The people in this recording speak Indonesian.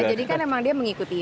jadi kan emang dia mengikuti